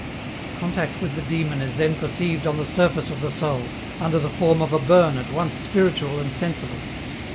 ... The contact with the Demon is then perceived on the surface of the soul, under the form of a burn at once spiritual and sensible.